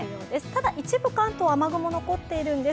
ただ一部関東、雨雲、残っているんです。